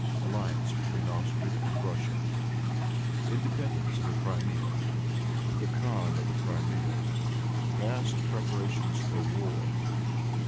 Alliance between Austria and Russia. Independence of the Crimea. The Khan of the Crimea. Vast Preparations for War.